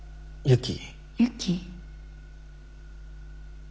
ユキ？